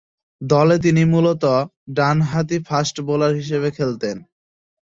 দলে তিনি মূলতঃ ডানহাতি ফাস্ট বোলার হিসেবে খেলতেন।